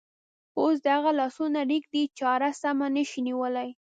اوس د هغه لاسونه رېږدي، چاړه سمه نشي نیولی.